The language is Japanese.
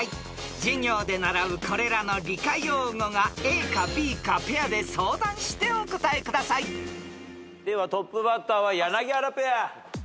［授業で習うこれらの理科用語がＡかＢかペアで相談してお答えください］ではトップバッターは柳原ペア。